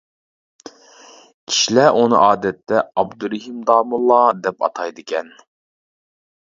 كىشىلەر ئۇنى ئادەتتە ئابدۇرېھىم داموللا دەپ ئاتايدىكەن.